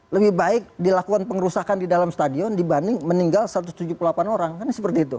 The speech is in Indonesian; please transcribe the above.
lebih baik dilakukan pengerusakan di dalam stadion dibanding meninggal satu ratus tujuh puluh delapan orang kan seperti itu